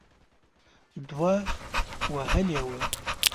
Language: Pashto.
دوه وهلې وه.